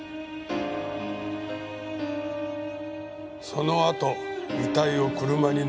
そのあと遺体を車に乗せ。